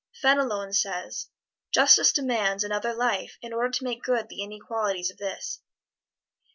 Fenelon says, "Justice demands another life in order to make good the inequalities of this."